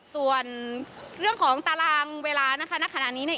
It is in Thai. ส่วนเรื่องของตารางเวลานักขณะนี้